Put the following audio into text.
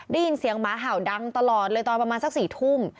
ได้ยินเสียงหมาเห่าดังตลอดเลยตอนประมาณสัก๔ทุ่ม